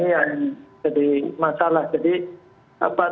ini televisi televisi kasih jenis yang tarik